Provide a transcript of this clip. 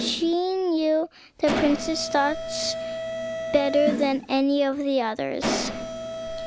She knew the prince's thoughts better than any of the others.